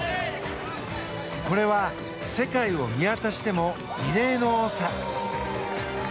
これは世界を見渡しても異例の多さ。